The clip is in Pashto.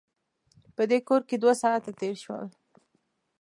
په دې کور کې دوه ساعته تېر شول.